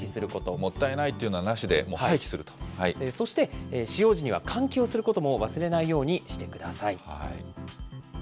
もったいないっていうのはなしで、そして使用時には換気をすることも忘れないようにしてください。